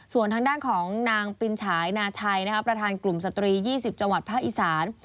ส่วนทางด้านของนางปินฉายนาชัยประธานกลุ่มสตรี๒๐จังหวัดภาคอีสาน